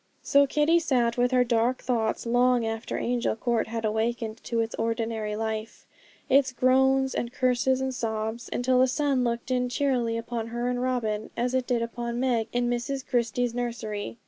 So Kitty sat with her dark thoughts long after Angel Court had awakened to its ordinary life, its groans, and curses, and sobs; until the sun looked in cheerily upon her and Robin, as it did upon Meg in Mrs Christie's nursery.